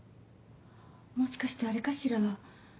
もしかしてアレかしら？